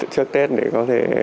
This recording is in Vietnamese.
trước tết để có thể